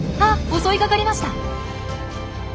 襲いかかりました。